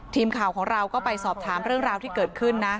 ทีมข่าวของเราก็ไปสอบถามเรื่องราวที่เกิดขึ้นนะ